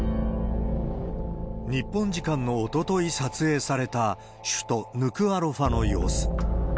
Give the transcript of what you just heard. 日本時間のおととい、撮影された首都ヌクアロファの様子。